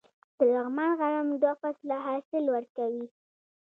د لغمان غنم دوه فصله حاصل ورکوي.